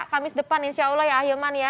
kamis depan insya allah ya ahilman ya